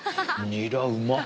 ニラうまっ。